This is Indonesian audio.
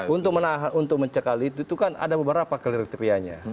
untuk menahan untuk mencekal itu kan ada beberapa kriteriannya